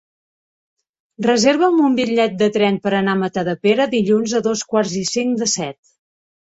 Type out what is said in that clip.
Reserva'm un bitllet de tren per anar a Matadepera dilluns a dos quarts i cinc de set.